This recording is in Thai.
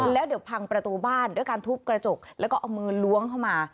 แล้วเดี๋ยวพังประตูบ้านด้วยการทุบกระจกแล้วก็เอามือล้วงเข้ามา